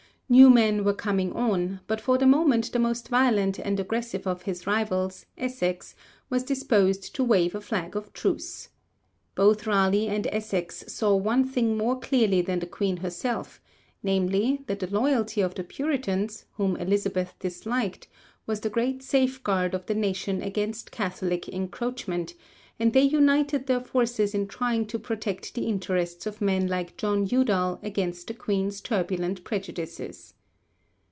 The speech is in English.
New men were coming on, but for the moment the most violent and aggressive of his rivals, Essex, was disposed to wave a flag of truce. Both Raleigh and Essex saw one thing more clearly than the Queen herself, namely, that the loyalty of the Puritans, whom Elizabeth disliked, was the great safeguard of the nation against Catholic encroachment, and they united their forces in trying to protect the interests of men like John Udall against the Queen's turbulent prejudices.